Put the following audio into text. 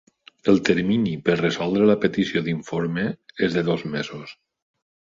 El termini per resoldre la petició d'informe és de dos mesos.